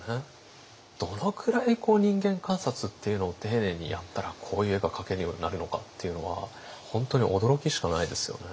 どのくらい人間観察っていうのを丁寧にやったらこういう絵が描けるようになるのかっていうのは本当に驚きしかないですよね。